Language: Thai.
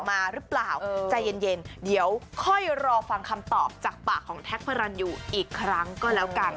มาหรือเปล่าใจเย็นเดี๋ยวค่อยรอฟังคำตอบจากปากของแท็กพระรันยูอีกครั้งก็แล้วกัน